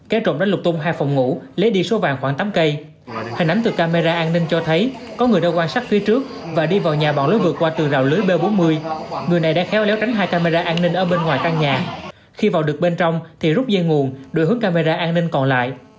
kẻ trộm đã lục tung hai phòng ngủ lấy đi số vàng khoảng tám cây hình ảnh từ camera an ninh cho thấy có người đã quan sát phía trước và đi vào nhà bọn lưới vượt qua từ rào lưới b bốn mươi người này đã khéo léo tránh hai camera an ninh ở bên ngoài căn nhà khi vào được bên trong thì rút dây nguồn đổi hướng camera an ninh còn lại